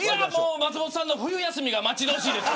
松本さんの冬休みが待ち遠しいです。